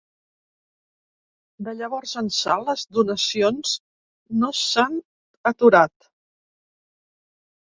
De llavors ençà les donacions no s’han aturat.